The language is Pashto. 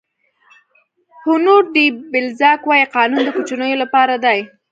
هونور ډي بلزاک وایي قانون د کوچنیو لپاره دی.